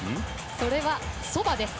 それは、そばです。